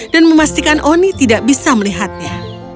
dan memastikan oni tidak bisa melihatnya